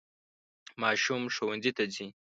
ماشوم ښوونځي ته ځي.